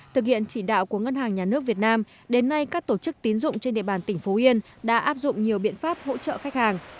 thực hiện chỉ đạo của ngân hàng nhà nước việt nam đến nay các tổ chức tín dụng trên địa bàn tỉnh phú yên đã áp dụng nhiều biện pháp hỗ trợ khách hàng